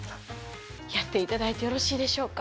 やっていただいてよろしいでしょうか？